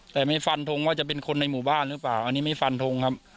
แต่ไม่ฟันทงว่าจะเป็นคนในหมู่บ้านหรือเปล่าอันนี้ไม่ฟันทงครับ